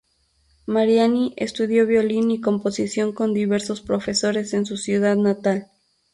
Mariani estudió violín y composición con diversos profesores en su ciudad natal.